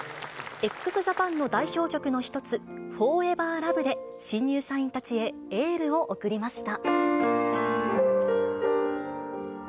ＸＪＡＰＡＮの代表曲の一つ、ＦｏｒｅｖｅｒＬｏｖｅで新入社員たちへエールを送りました。